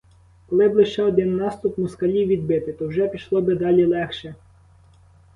Коли б лише один наступ москалів відбити, то вже пішло би далі легше.